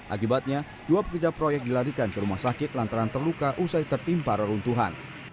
akibatnya dua pekerja proyek dilarikan ke rumah sakit lantaran terluka usai tertimpa reruntuhan